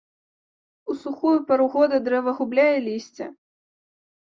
У сухую пару года дрэва губляе лісце.